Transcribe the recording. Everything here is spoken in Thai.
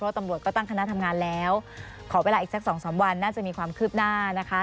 ตำรวจก็ตั้งคณะทำงานแล้วขอเวลาอีกสักสองสามวันน่าจะมีความคืบหน้านะคะ